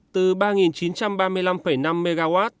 từ ba chín trăm ba mươi năm năm mw